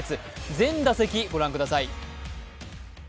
全打席、ご覧ください。